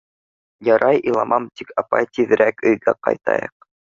— Ярай, иламам, тик, апай, тиҙерәк өйгә ҡайтайыҡ.